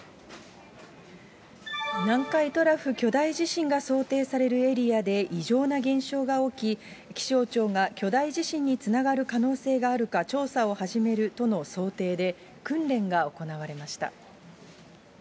南海トラフ巨大地震が想定されるエリアで異常な現象が起き、気象庁が巨大地震につながる可能性があるか調査を始めるとの想定で、訓練が行われました。